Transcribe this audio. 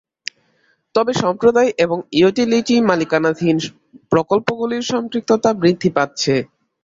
তবে সম্প্রদায় এবং ইউটিলিটি-মালিকানাধীন প্রকল্পগুলির সম্পৃক্ততা বৃদ্ধি পাচ্ছে।